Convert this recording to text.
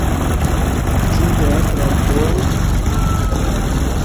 Ĉu teatra aktoro?